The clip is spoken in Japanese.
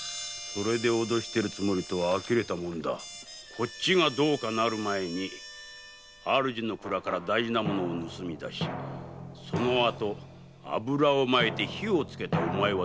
こっちがどうかなる前に主の蔵から大事な物を盗み出しその後油を撒いて火をつけたお前はどうなる？